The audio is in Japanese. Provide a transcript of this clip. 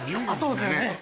そうですよね。